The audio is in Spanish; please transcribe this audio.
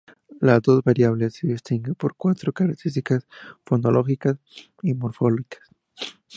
Las dos variedades se distinguen por cuatro características fonológicas y morfológicas.